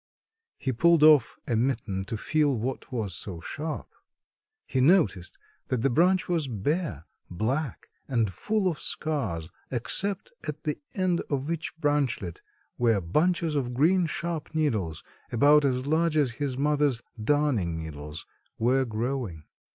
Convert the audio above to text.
He pulled off a mitten to feel what was so sharp. He noticed that the branch was bare, black and full of scars except at the end of each branchlet, where bunches of green sharp needles about as large as his mother's darning needles were growing.